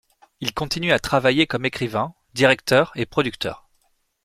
Il continue à travailler comme écrivain, directeur et producteur.